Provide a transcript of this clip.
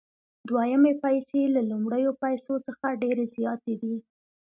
دویمې پیسې له لومړیو پیسو څخه ډېرې زیاتې دي